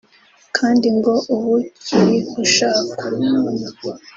kandi ngo ubu kiri gushakwa